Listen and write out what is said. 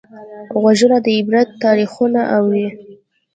غوږونه د عبرت تاریخونه اوري